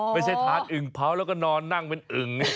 ไม่ใช่ทานอึ่งเผาแล้วก็นอนนั่งเป็นอึ่ง